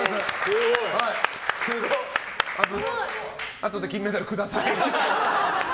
あとで金メダルください。